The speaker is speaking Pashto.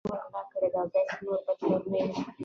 معیاري صرف او نحو کم دی